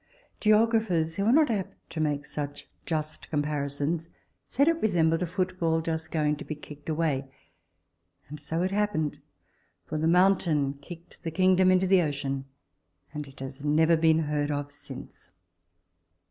Geographers, who are not apt to make such just comparisons, said, it resembled a football just going to be kicked away; and so it happened; for the mountain kicked the kingdom into the ocean, and it has never been heard of since.